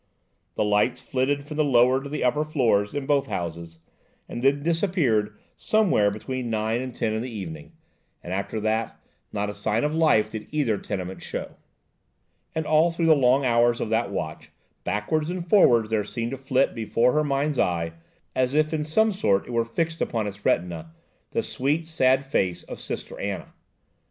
The lights flitted from the lower to the upper floors in both houses, and then disappeared somewhere between nine and ten in the evening; and after that, not a sign of life did either tenement show. And all through the long hours of that watch, backwards and forwards there seemed to flit before her mind's eye, as if in some sort it were fixed upon its retina, the sweet, sad face of Sister Anna.